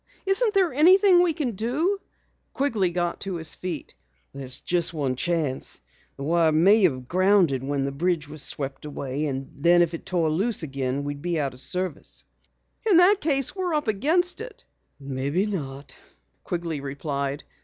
"Isn't there anything we can do?" Quigley got to his feet. "There's just one chance. The wire may have grounded when the bridge was swept away. Then if it tore loose again we'd be out of service." "In that case we're up against it." "Maybe not," Quigley replied.